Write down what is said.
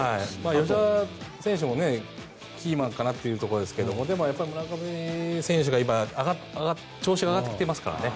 吉田選手もキーマンかなというところですがでも、村上選手が今、調子が上がってきていますからね。